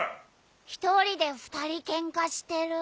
一人で二人ケンカしてる？